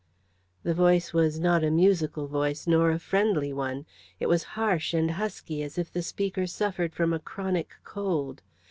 The voice was not a musical voice, nor a friendly one. It was harsh and husky, as if the speaker suffered from a chronic cold.